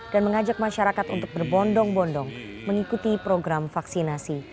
dan mengajak masyarakat untuk berbondong bondong mengikuti program vaksinasi